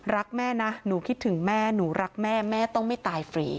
รักแม่นะหนูคิดถึงแม่หนูรักแม่แม่ต้องไม่ตายฟรี